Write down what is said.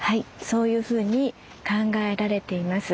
そういうふうに考えられています。